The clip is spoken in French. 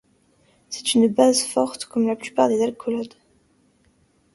C'est une base forte comme la plupart des alcoolates.